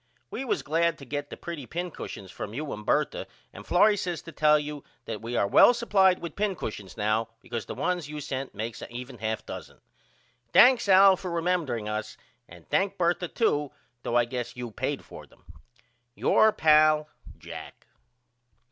We was glad to get the pretty pincushions from you and Bertha and Florrie says to tell you that we are well supplied with pincushions now because the ones you sent makes a even half dozen. Thanks Al for remembering us and thank Bertha too though I guess you paid for them. Your pal, JACK.